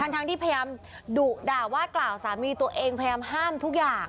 ทั้งที่พยายามดุด่าว่ากล่าวสามีตัวเองพยายามห้ามทุกอย่าง